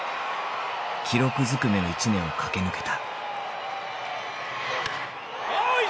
記録ずくめの一年を駆け抜けた。